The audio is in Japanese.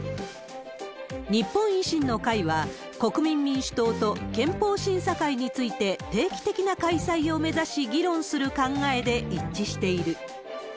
日本維新の会は、国民民主党と憲法審査会について、定期的な開催を目指し議論する考えで一致している。